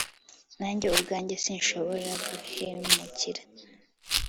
nanjye ubwanjye sinshobora guhemukira ..